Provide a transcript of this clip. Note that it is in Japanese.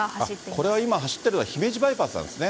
これは今、走っているのは、姫路バイパスなんですね。